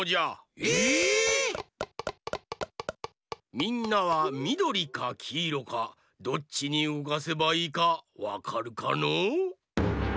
みんなはみどりかきいろかどっちにうごかせばいいかわかるかのう？